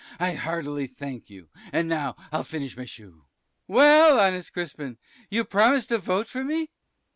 I heartily thank you, and now I'll finish my shoe. Sir B. Well, honest Crispin! you promised to vote for me?